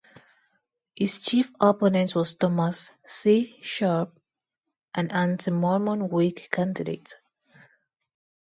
His chief opponent was Thomas C. Sharp, an anti-Mormon Whig candidate.